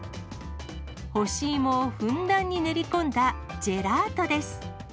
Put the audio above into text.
干し芋をふんだんに練り込んだジェラートです。